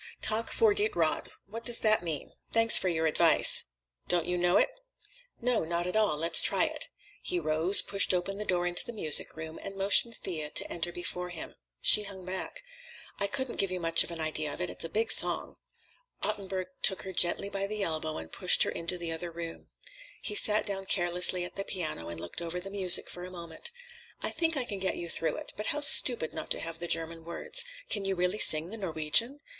Tak for Ditt Råd. What does that mean?" "'Thanks for your Advice.' Don't you know it?" "No; not at all. Let's try it." He rose, pushed open the door into the music room, and motioned Thea to enter before him. She hung back. "I couldn't give you much of an idea of it. It's a big song." Ottenburg took her gently by the elbow and pushed her into the other room. He sat down carelessly at the piano and looked over the music for a moment. "I think I can get you through it. But how stupid not to have the German words. Can you really sing the Norwegian?